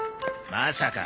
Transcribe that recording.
まさか。